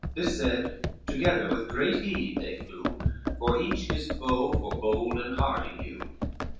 This said, together with great heed they flew, For each his foe for bold and hardy knew.